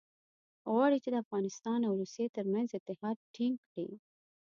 غواړي چې د افغانستان او روسیې ترمنځ اتحاد ټینګ کړي.